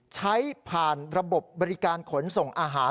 ใช้ผ่านระบบบริการขนส่งอาหาร